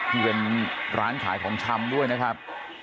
ที่เป็นร้านขายของชำด้วยนะครับ